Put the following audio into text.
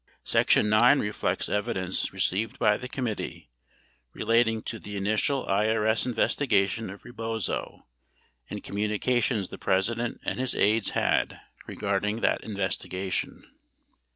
Section IX reflects evidence received by the committee relating to the initial IRS investigation of Rebozo and communications the Presi dent and his aides had regarding that investigation.